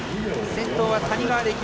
先頭は谷川。